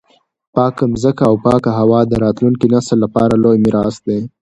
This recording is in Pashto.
پاکه مځکه او پاکه هوا د راتلونکي نسل لپاره لوی میراث دی.